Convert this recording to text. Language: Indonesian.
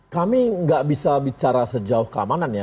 kami nggak bisa bicara sejauh keamanan ya